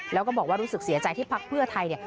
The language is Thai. แล้วก็บอกว่ารู้สึกเสียใจที่พักเพื่อไทยเนี่ย